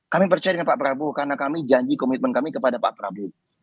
kami percaya dengan pak prabowo karena kami janji komitmen kami kepada pak prabowo